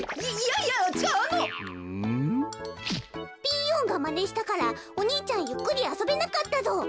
ピーヨンがまねしたからお兄ちゃんゆっくりあそべなかったぞ。